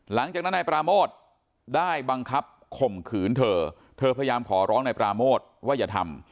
หลังจากนั้นนายปราโมทได้บังคับข่มขืนเธอเธอพยายามขอร้องนายปราโมทว่าอย่าทำ